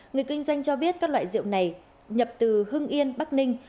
người kinh doanh cho biết các loại rượu này nhập từ hưng yên bắc ninh